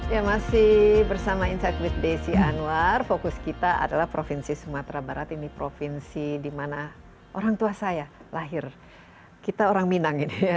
ya masih bersama insight with desi anwar fokus kita adalah provinsi sumatera barat ini provinsi di mana orang tua saya lahir kita orang minang ini ya